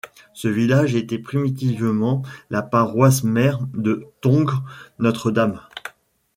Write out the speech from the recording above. Ce village était primitivement la paroisse-mère de Tongre-Notre-Dame.